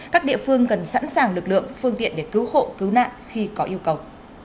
các địa phương cần sẵn sàng lực lượng phương tiện để cứu hộ cứu nạn khi có yêu cầu